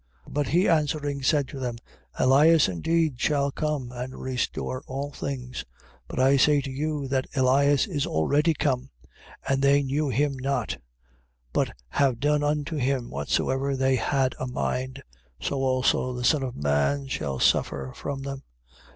17:11. But he answering, said to them: Elias indeed shall come, and restore all things. 17:12. But I say to you, that Elias is already come, and they knew him not, But have done unto him whatsoever they had a mind. So also the Son of man shall suffer from them.